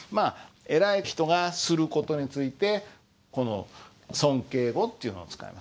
偉い人がする事についてこの尊敬語っていうのを使います。